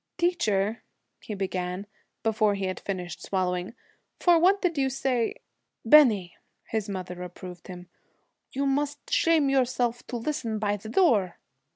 'Teacher,' he began, before he had finished swallowing, 'What for did you say ' 'Bennie!' his mother reproved him, 'You must shame yourself to listen by the door.'